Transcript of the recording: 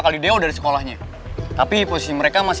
keluar di lapangan scot jam